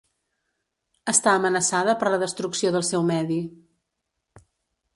Està amenaçada per la destrucció del seu medi.